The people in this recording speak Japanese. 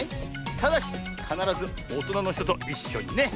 ただしかならずおとなのひとといっしょにね！